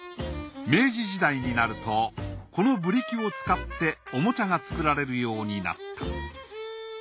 明治時代になるとこのブリキを使っておもちゃが作られるようになった。